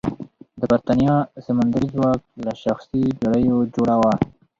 د برېتانیا سمندري ځواک له شخصي بېړیو جوړه وه.